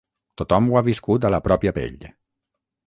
Tothom ho ha viscut a la pròpia pell.